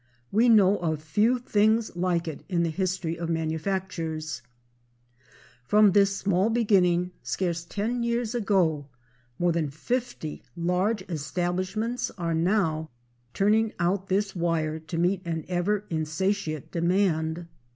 We know of few things like it in the history of manufactures. From[Pg 2] this small beginning, scarce ten years ago more than fifty large establishments are now turning out this wire to meet an ever insatiate demand.